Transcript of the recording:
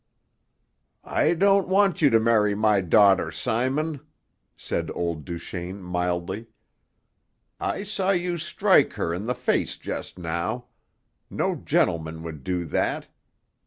"I don't want you to marry my daughter, Simon," said old Duchaine mildly. "I saw you strike her in the face just now. No gentleman would do that.